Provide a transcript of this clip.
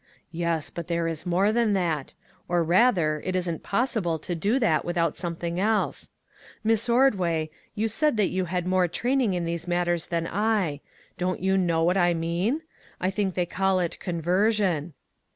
" Yes, but there is more than that ; or, rather it isn't possible to do that without something else. Miss Ordway, you said that you had more training in these matters than I; don't you know what I mean? I think they call it conversion."